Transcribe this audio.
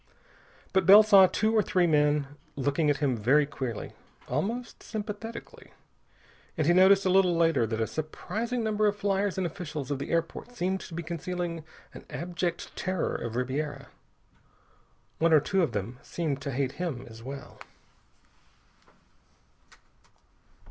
But Bell saw two or three men looking at him very queerly. Almost sympathetically. And he noticed, a little later, that a surprising number of fliers and officials of the airport seemed to be concealing an abject terror of Ribiera. One or two of them seemed to hate him as well.